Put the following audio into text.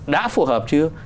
đã phù hợp chưa